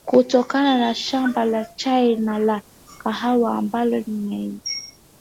kutokana na shamba la chai na la kahawa ambalo ameniajia